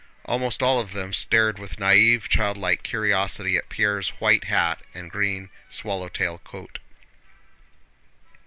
Almost all of them stared with naïve, childlike curiosity at Pierre's white hat and green swallow tail coat.